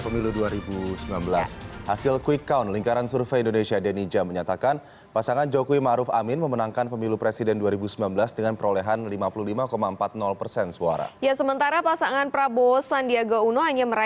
milik lsi denny ja menjelaskan pasangan jokowi maruf amin unggul di tiga segmen dari pasangan prabowo sandiaga uno